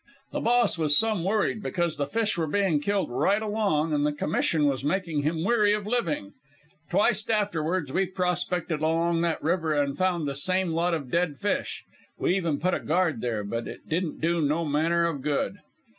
The Boss was some worried, because the fish were being killed right along, and the Commission was making him weary of living. Twicet afterward we prospected along that river and found the same lot of dead fish. We even put a guard there, but it didn't do no manner of good.